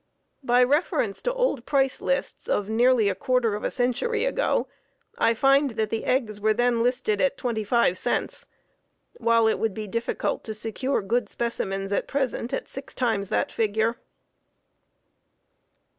By reference to old price lists of nearly a quarter of a century ago I find that the eggs were then listed at twenty five cents, while it would be difficult to secure good specimens at present at six times the figure.